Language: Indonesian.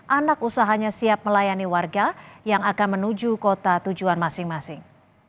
anak usahanya siap melayani warga yang akan menuju kota tujuan masing masing